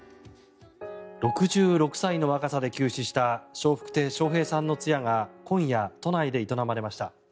６６歳の若さで急死した笑福亭笑瓶さんの通夜が今夜、都内で営まれました。